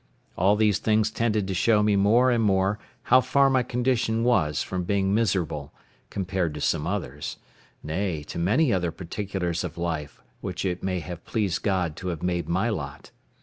All these things tended to show me more and more how far my condition was from being miserable, compared to some others; nay, to many other particulars of life which it might have pleased God to have made my lot.